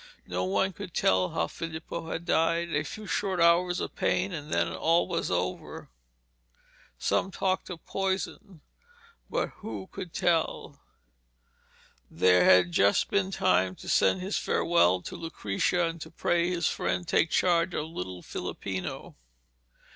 No one could tell how Filippo had died. A few short hours of pain and then all was over. Some talked of poison. But who could tell? There had just been time to send his farewell to Lucrezia, and to pray his friend to take charge of little Filippino.